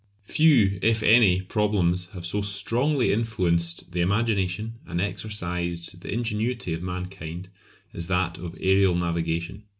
Few, if any, problems have so strongly influenced the imagination and exercised the ingenuity of mankind as that of aërial navigation.